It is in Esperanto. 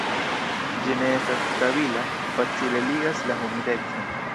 Ĝi ne estas stabila, facile ligas la humidecon.